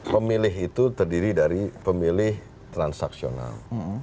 pemilih itu terdiri dari pemilih transaksional